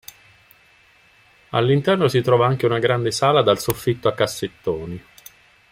All'interno si trova anche una grande sala dal soffitto a cassettoni.